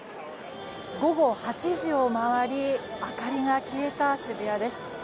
午後８時を回り明かりが消えた渋谷です。